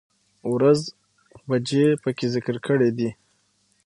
،ورځ، بجې په کې ذکر کړى دي